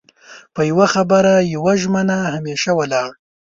په يو خبره يوه ژمنه همېشه ولاړ